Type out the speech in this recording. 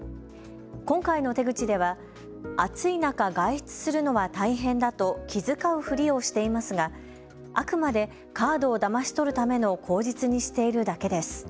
今回の手口では暑い中、外出するのは大変だと気遣うふりをしていますがあくまでカードをだまし取るための口実にしているだけです。